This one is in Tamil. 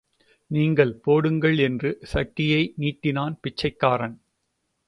நீங்கள் போடுங்கள் என்று சட்டியை நீட்டினான் பிச்சைக்காரன்.